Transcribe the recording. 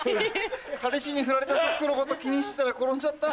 彼氏にフラれたショックのこと気にしてたら転んじゃった。